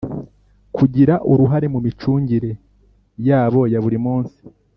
kugira uruhare mu micungire yabo yaburi musi